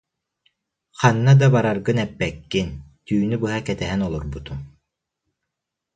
Ханна да бараргын эппэккин, түүнү быһа кэтэһэн олорбутум